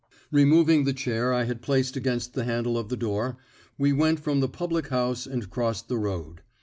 Removing the chair I had placed against the handle of the door, we went from the public house and crossed the road.